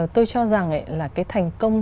tôi cho rằng là cái thành công